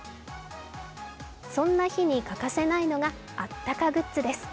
そんな日に欠かせないのがあったかグッズです。